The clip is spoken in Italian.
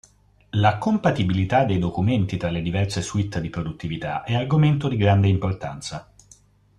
La compatibilità dei documenti tra le diverse suite di produttività è argomento di grande importanza.